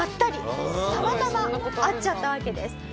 たまたま会っちゃったわけです。